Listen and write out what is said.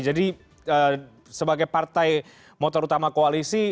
jadi sebagai partai motor utama koalisi